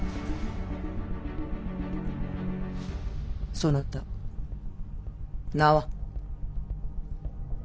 そなた名は。